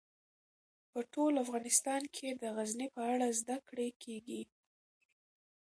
په ټول افغانستان کې د غزني په اړه زده کړه کېږي.